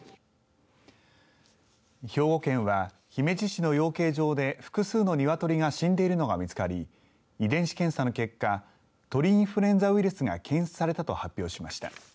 兵庫県は、姫路市の養鶏場で複数のニワトリが死んでいるのが見つかり遺伝子検査の結果鳥インフルエンザウイルスが検出されたと発表しました。